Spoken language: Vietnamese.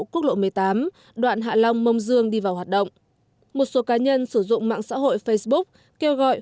quốc lộ một mươi tám đoạn hạ long mông dương đi vào hoạt động một số cá nhân sử dụng mạng xã hội facebook kêu gọi